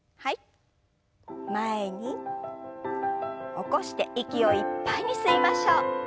起こして息をいっぱいに吸いましょう。